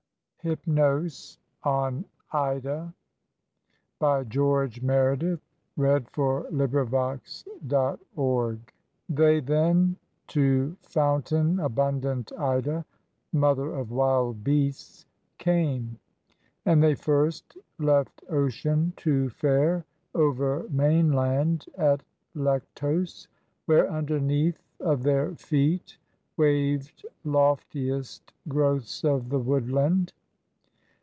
numerous they than the women." HYPNOS ON IDA ILIAD, B. XIV. V. 283 THEY then to fountain abundant Ida, mother of wild beasts, Came, and they first left ocean to fare over mainland at Lektos, Where underneath of their feet waved loftiest growths of the woodland.